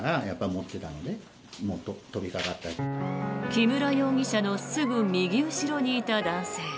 木村容疑者のすぐ右後ろにいた男性。